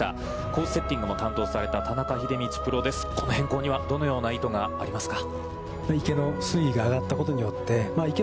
コースセッティングも担当された田中秀道プロ、この辺には、どのような意図がありますか。